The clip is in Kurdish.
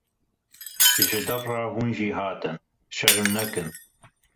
Ji devera hûn jê hatine, şerm nekin.